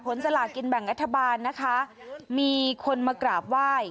สลากินแบ่งรัฐบาลนะคะมีคนมากราบไหว้